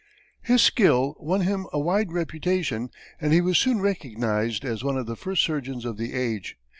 His skill won him a wide reputation and he was soon recognized as one of the first surgeons of the age.